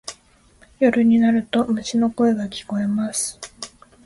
夜になると虫の声が聞こえます。